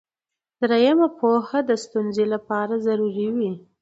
دریمه پوهه د ستونزې لپاره ضروري وي.